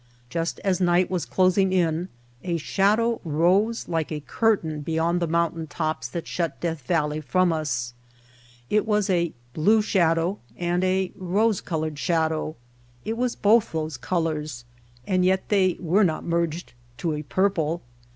Just as night was closing in a shadow rose like a curtain beyond the mountain tops that shut Death Valley from us. It was a blue shadow and a rose colored shadow. It was both those colors and yet they were not merged to a purple.